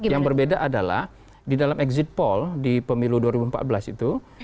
yang berbeda adalah di dalam exit poll di pemilu dua ribu empat belas itu